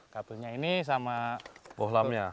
kabelnya ini sama bohlamnya